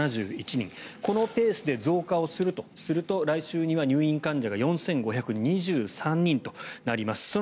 このペースで増加するとすると来週には入院患者が４５２３人となります。